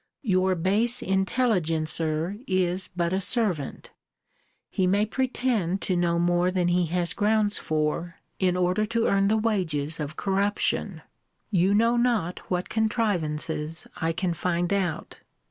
Your base intelligencer is but a servant. He may pretend to know more than he has grounds for, in order to earn the wages of corruption. You know not what contrivances I can find out.